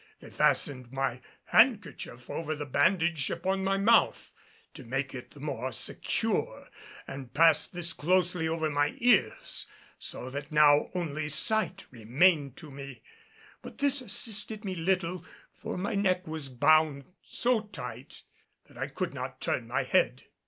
They fastened my handkerchief over the bandage upon my mouth to make it the more secure, and passed this closely over my ears so that now only sight remained to me. But this assisted me little, for my neck was bound so tight that I could not turn my head.